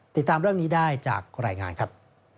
ติดตามเรื่องนี้ได้จากรายงานครับ